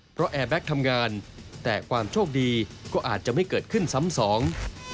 เพราะแอร์แบ็คทำงานแต่ความโชคดีก็อาจจะไม่เกิดขึ้นซ้ำสอง